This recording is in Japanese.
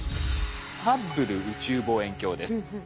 ハッブル宇宙望遠鏡です。